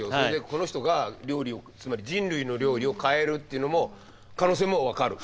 この人が料理を人類の料理を変えるっていうのも可能性も分かる。